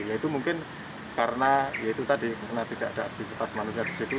yaitu mungkin karena tidak ada kualitas manusia di situ